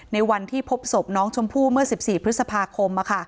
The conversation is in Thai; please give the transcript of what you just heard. ในวันที่พบศพน้องชมพู่เมื่อ๑๔พฤษภาคม